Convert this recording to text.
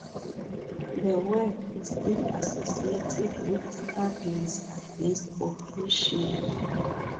The word is still associated with struggles against oppression.